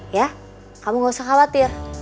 ya kamu gak usah khawatir